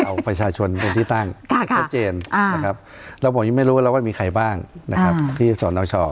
เอาประชาชนเป็นที่ตั้งชัดเจนแล้วผมยังไม่รู้ว่ามีใครบ้างที่สนช